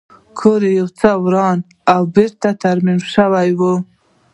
کور یې یو څه وران او بېرته ترمیم شوی و